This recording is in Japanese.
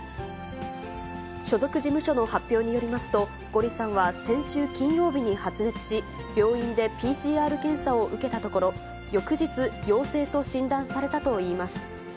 所属事務所の発表によりますと、ゴリさんは先週金曜日に発熱し、病院でＰＣＲ検査を受けたところ、翌日、陽性と診断されたといいます。